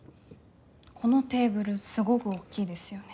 このテーブルすごぐ大きいですよね。